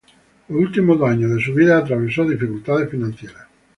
Los últimos dos años de su vida atravesó dificultades financieras.